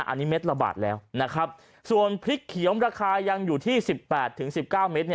อันนี้เม็ดละบาทแล้วนะครับส่วนพริกเขียวราคายังอยู่ที่๑๘๑๙เมตร